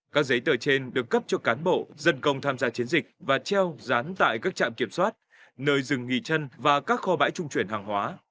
các giấy tờ trên được cấp cho cán bộ dân công tham gia chiến dịch và treo rán tại các trạm kiểm soát nơi dừng nghỉ chân và các kho bãi trung chuyển hàng hóa